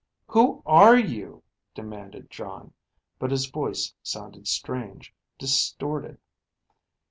"Who are you?" demanded Jon, but his voice sounded strange, distorted.